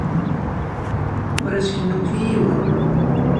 Ur as-kennumt i yiwen.